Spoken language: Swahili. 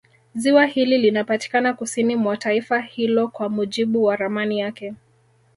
Ziwa hili linapatikana kusini mwa taifa hilo kwa mujibu wa ramani yake